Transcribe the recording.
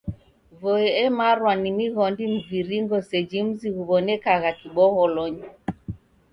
Voi emarwa ni mighondi mviringo seji mzi ghuw'onekagha kibogholonyi.